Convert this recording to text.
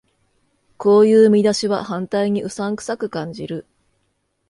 こういう見出しは反対にうさんくさく感じる